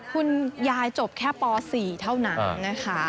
คุณยายจบแค่ป๔เท่านั้นนะคะ